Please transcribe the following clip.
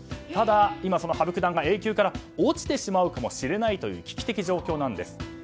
ただ、今、その羽生九段がＡ級から落ちてしまうかもしれない危機的状況なんです。